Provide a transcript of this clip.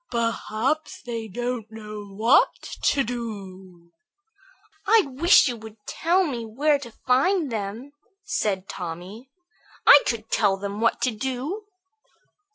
"Perhaps they don't know what to do." "I wish you would tell me where to find them," said Tommy. "I could tell them what to do."